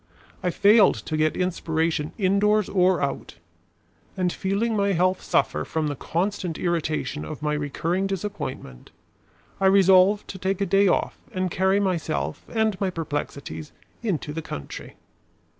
I failed to get inspiration indoors or out; and feeling my health suffer from the constant irritation of my recurring disappointment, I resolved to take a day off and carry myself and my perplexities into the country.